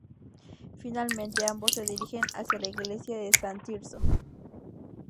Finalmente ambos se dirigen hacia la Iglesia de S. Tirso.